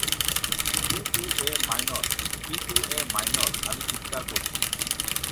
C to A minor, C to A মাইনর-আমি চিৎকার করছি।